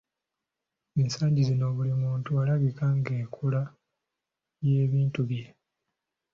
Ensangi zino buli muntu alabika ng’enkola y’ebintu bye.